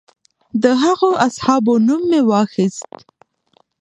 د هغو اصحابو نوم مې واخیست.